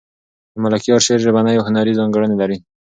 د ملکیار شعر ژبنۍ او هنري ځانګړنې لري.